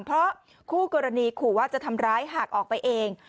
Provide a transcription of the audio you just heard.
เพราะคู่กรณีขู่ว่าจะทำร้ายหากออกไปเอง